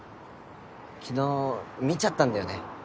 昨日見ちゃったんだよね